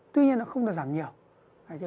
tuy nhiên nó không được giảm nhiều